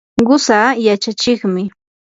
qusaa yachachiqmi.